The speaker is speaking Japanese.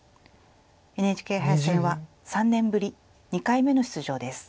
ＮＨＫ杯戦は３年ぶり２回目の出場です。